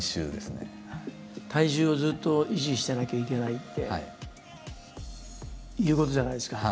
体重をずっと維持してなきゃいけないっていうことじゃないですか。